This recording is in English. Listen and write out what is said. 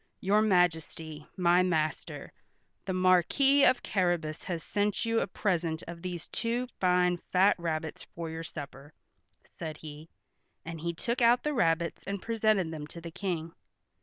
"Your Majesty, my master, the Marquis of Carrabas, has sent you a present of these two fine fat rabbits for your supper," said he, and he took out the rabbits and presented them to the King.